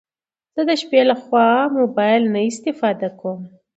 زه د شپې لخوا موبايل نه استفاده کوم